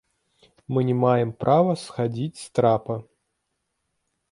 Мы не маем права схадзіць з трапа.